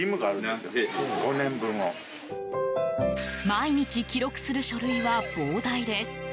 毎日記録する書類は膨大です。